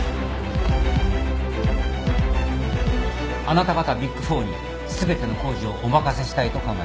あなた方ビッグ４に全ての工事をお任せしたいと考えています。